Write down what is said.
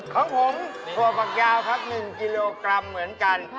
ของผมถั่วฝักยาวครับ๑กิโลกรัมเหมือนกัน